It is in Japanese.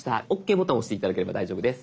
ボタン押して頂ければ大丈夫です。